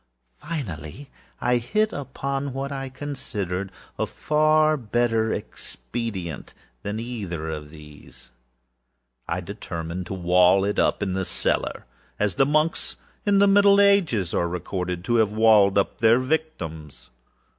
Finally I hit upon what I considered a far better expedient than either of these. I determined to wall it up in the cellarâas the monks of the middle ages are recorded to have walled up their victims.